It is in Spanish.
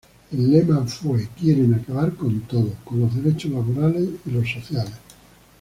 El lema fue: "Quieren acabar con todo, con los derechos laborales y sociales".